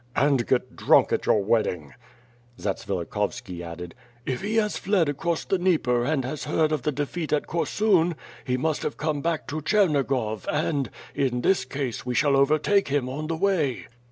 "And get drunk at your wedding." Zatsvilikhovski added: "If he has fled across the Dnieper and has heard of the defeat at Korsun he must have come back to Chernigov and, in this case, we shall overtake him on the way."